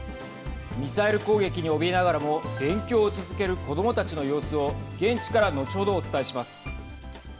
ミサイル攻撃におびえながらも勉強を続ける子どもたちの様子を現地から後ほど、お伝えします。